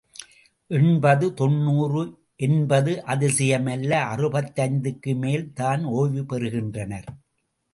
எண்பது, தொண்ணூறு என்பது அதிசயமல்ல அறுபத்தைந்துக்கும் மேல் தான் ஓய்வு பெறுகின்றனர்.